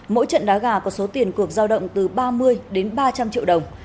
mỗi trận đá gà có số tiền cuộc giao động từ ba mươi đến ba trăm linh triệu đồng